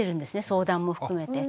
相談も含めて。